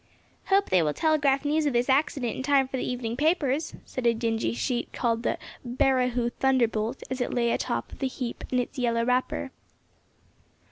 "Hope they will telegraph news of this accident in time for the evening papers," said a dingy sheet called the "Barahoo Thunderbolt," as it lay atop of the heap in its yellow wrapper.